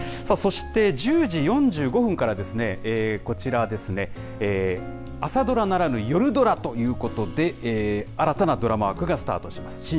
さあそして、１０時４５分から、こちらですね、朝ドラならぬ夜ドラということで、新たなドラマ枠がスタートします。